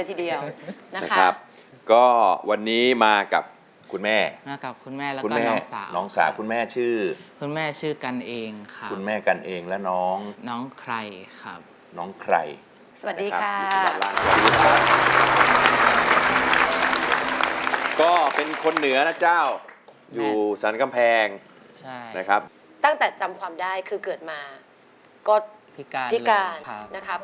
สวัสดีครับสวัสดีครับสวัสดีครับสวัสดีครับสวัสดีครับสวัสดีครับสวัสดีครับสวัสดีครับสวัสดีครับสวัสดีครับสวัสดีครับสวัสดีครับสวัสดีครับสวัสดีครับสวัสดีครับสวัสดีครับสวัสดีครับสวัสดีครับสวัสดีครับสวัสดีครับสวัสดีครับสวัสดีครับส